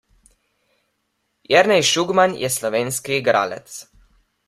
Jernej Šugman je slovenski igralec.